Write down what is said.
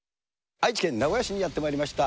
愛知県名古屋市にやってまいりました。